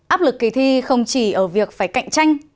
áp lực kỳ thi không chỉ ở việc phải cạnh tranh